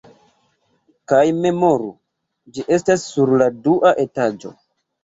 Kaj memoru, ĝi estas sur la dua etaĝo.